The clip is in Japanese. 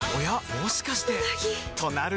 もしかしてうなぎ！